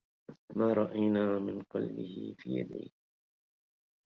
ما رأينا من قلبه في يديه